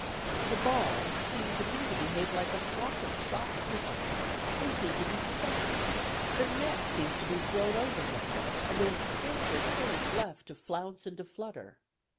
"The bar seem to me to behave like a flock of shot pigeons; they seem to be stopped; the net seems to be thrown over them, and they have scarcely courage left to flounce and to flutter.